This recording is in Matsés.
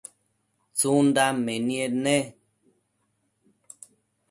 tsundan menied ne?